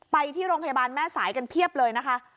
ไปที่โรงพยาบาลแม่สายกันเพียบเลยนะคะ